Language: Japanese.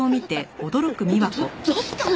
どどうしたの？